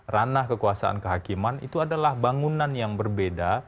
ranah kekuasaan kehakiman itu adalah bangunan yang berbeda